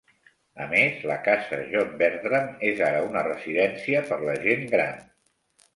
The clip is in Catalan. A més, la Casa John Bertram és ara una residència per la gent gran.